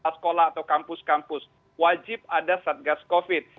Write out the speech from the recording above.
sekolah atau kampus kampus wajib ada satgas covid